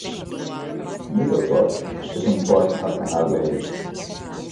Middleport és un port del canal d'Erie.